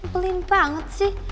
pelin banget sih